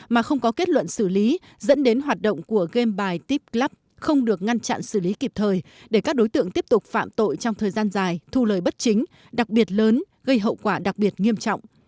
mà không có kết luận xử lý dẫn đến hoạt động của game bài tip club không được ngăn chặn xử lý kịp thời để các đối tượng tiếp tục phạm tội trong thời gian dài thu lời bất chính đặc biệt lớn gây hậu quả đặc biệt nghiêm trọng